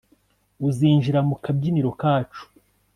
uzinjira mu kabyiniro kacu